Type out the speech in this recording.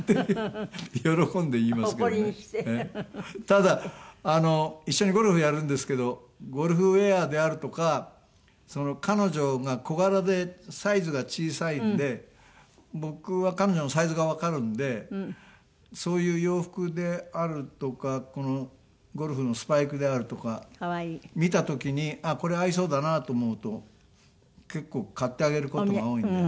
ただ一緒にゴルフやるんですけどゴルフウェアであるとか彼女が小柄でサイズが小さいんで僕は彼女のサイズがわかるんでそういう洋服であるとかこのゴルフのスパイクであるとか見た時にあっこれ合いそうだなと思うと結構買ってあげる事が多いので。